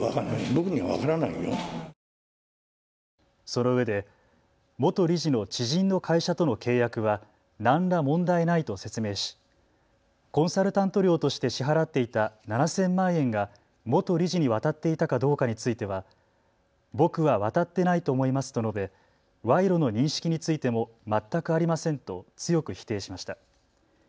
そのうえで元理事の知人の会社との契約は何ら問題ないと説明しコンサルタント料として支払っていた７０００万円が元理事に渡っていたかどうかについては僕は渡ってないと思いますと述べ賄賂の認識についても全くありませんと強く否定しました。